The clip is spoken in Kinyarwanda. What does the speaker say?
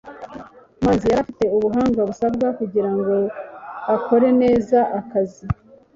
manzi yari afite ubuhanga busabwa kugirango akore neza akazi